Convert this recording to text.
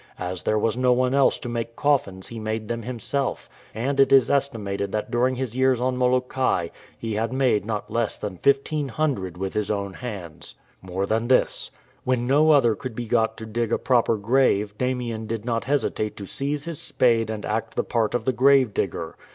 As there was no one else to make coffins he made them himself, and it is estimated that during his vears on Molokai he m?.de not less than 1500 with his own hands. More than this. When no other could be got to dig a proper grave, Damien did not hesitate to seize his spade and act the part of the grave digger.